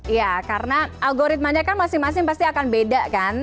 iya karena algoritmanya kan masing masing pasti akan beda kan